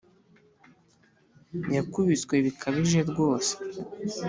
yakubiswe bikabije rwose